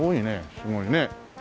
すごいね。